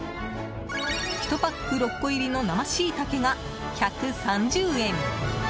１パック６個入りの生シイタケが１３０円。